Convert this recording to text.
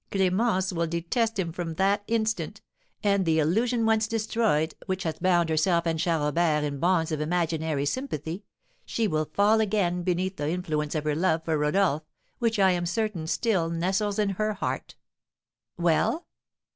Clémence will detest him from that instant; and the illusion once destroyed which has bound herself and Charles Robert in bonds of imaginary sympathy, she will fall again beneath the influence of her love for Rodolph, which I am certain still nestles in her heart." "Well?"